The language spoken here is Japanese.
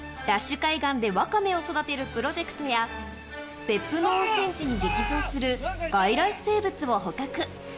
海岸でワカメを育てるプロジェクトや、別府の温泉地に激増する外来生物を捕獲。